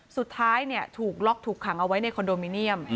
สุดท้ายถูกล็อกถูกขังเอาไว้ในคอนโดมิเนียม